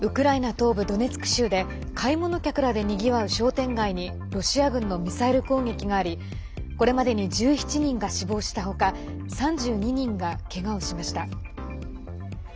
東部ドネツク州で買い物客らでにぎわう商店街にロシア軍のミサイル攻撃がありこれまでに１７人が死亡した他３２人がけがをしました。